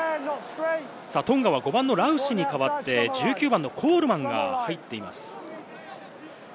トンガは５番のラウシに代わって、１９番のコールマンが入っています。